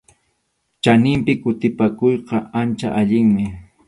Chaninpi kutipakuyqa ancha allinmi.